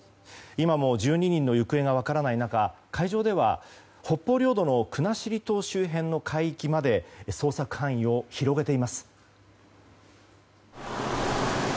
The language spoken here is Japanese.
今も１２人の行方が分からない中海上では北方領土の国後島周辺の海域まで捜索範囲を広げています。